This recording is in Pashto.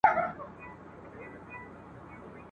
بس د زرکو به رامات ورته لښکر سو ..